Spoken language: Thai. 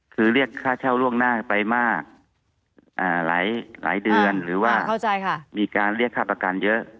คือเรียกค่าเช่าล่วงหน้าไปมากหลายเดือนหรือว่ามีการเรียกค่าประกันเยอะ